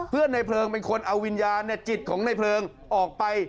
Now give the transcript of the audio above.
ในเพลิงเป็นคนเอาวิญญาณจิตของในเพลิงออกไป